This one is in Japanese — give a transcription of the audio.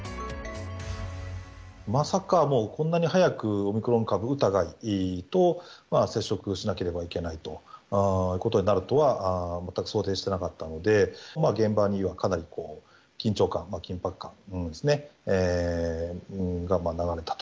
まさかもうこんなに早くオミクロン株疑いと接触しなければいけないことになるとは、全く想定してなかったので、現場にはかなりこう、緊張感、緊迫感がですね、流れたと。